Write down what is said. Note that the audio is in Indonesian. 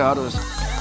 oh ya harus